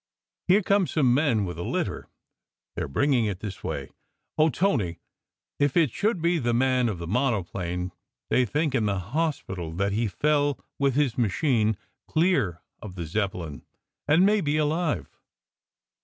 "Here come some men with a litter. They re bringing it this way. Oh, Tony, if it should be the man of the monoplane! They think in the hospital that he fell with his machine clear of the Zeppelin, and may be alive."